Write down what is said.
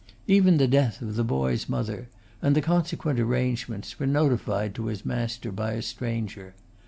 Even the death of the boy's mother, and the consequent arrangements, were notified to his master by a stranger.